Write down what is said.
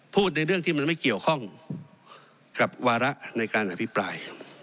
พูดในเรื่องที่มันไม่เกี่ยวข้องกับวาระในการอภิปราย